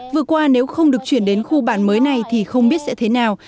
vừa qua nếu không được chuyển đến khu bản mới này thì không biết sẽ thế nào